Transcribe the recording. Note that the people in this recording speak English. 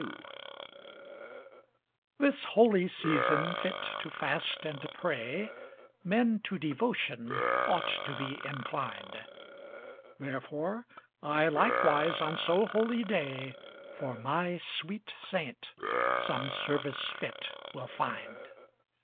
XXII This holy season fit to fast and pray, Men to devotion ought to be inclined: Therefore, I likewise on so holy day, For my sweet Saint some service fit will find.